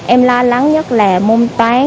em lo lắng nhất là môn tán